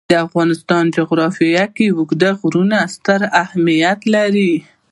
د افغانستان جغرافیه کې اوږده غرونه ستر اهمیت لري.